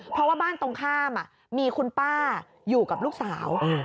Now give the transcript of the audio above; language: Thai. เพราะว่าบ้านตรงข้ามมีคุณป้าอยู่กับลูกสาว